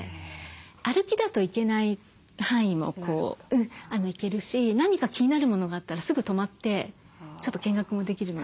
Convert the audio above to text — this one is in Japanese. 歩きだと行けない範囲も行けるし何か気になるものがあったらすぐ止まってちょっと見学もできるので。